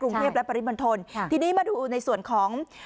กรุงเทพและปริมณฑลทีนี้มาดูในส่วนของ